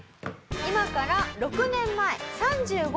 今から６年前３５歳の時